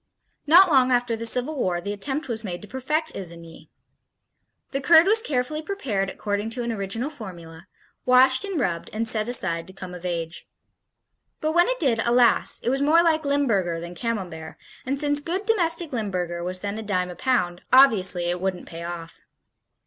Not long after the Civil War the attempt was made to perfect Isigny. The curd was carefully prepared according to an original formula, washed and rubbed and set aside to come of age. But when it did, alas, it was more like Limburger than Camembert, and since good domestic Limburger was then a dime a pound, obviously it wouldn't pay off.